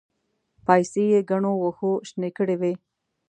پايڅې يې ګڼو وښو شنې کړې وې.